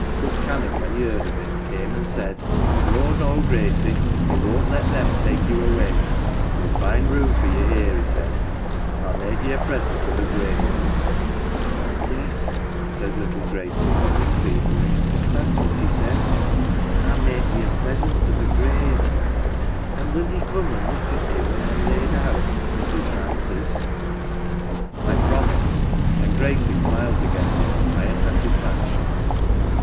But Canon, when he heard of it, came and said :' No, no, 219 HERE AND THERE Gracie, we won't let them take you away ; we'll find room for ye here," 1 he says ;' I'll make ye a present of a grave/ "" Yes,"" says little Gracie, nodding feebly, " that's what he said, ' Fll make ye a present of a grave.' An' will ye come an' look at me when I'm laid out, Mrs. Francis ?" I promise, and Gracie smiles again with entire satis faction.